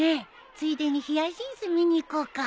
ついでにヒヤシンス見に行こうか。